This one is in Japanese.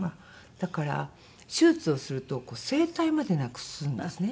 だから手術をすると声帯までなくすんですね。